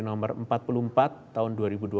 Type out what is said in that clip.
nomor empat puluh empat tahun dua ribu dua puluh